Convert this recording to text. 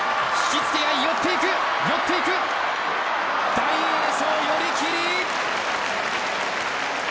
大栄翔、寄り切り。